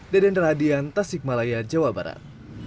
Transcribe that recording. deden radian tasikmalaya jawa barat